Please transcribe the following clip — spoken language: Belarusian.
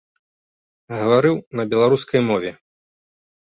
Гаварыў на беларускай мове.